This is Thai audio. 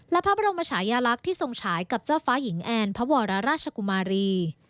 และพระบรมชายาลักษณ์ที่ทรงฉายกับเจ้าฟ้าหญิงแอนพระวรราชกุมารี